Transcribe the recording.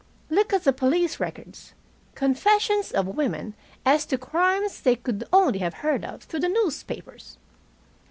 Look at the police records confessions of women as to crimes they could only have heard of through the newspapers!